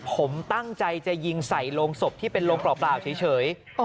ผมตั้งใจจะยิงใส่โลงศพที่เป็นโลงเปล่าเปล่าเฉยเฉยอ๋อ